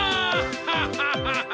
ハッハハハ！